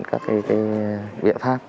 các biện pháp